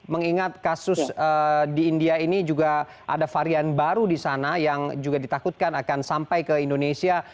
mengingat kasus di india ini juga ada varian baru di sana yang juga ditakutkan akan sampai ke indonesia